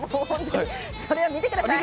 それは見てください。